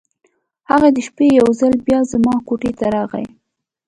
هغه د شپې یو ځل بیا زما کوټې ته راغی.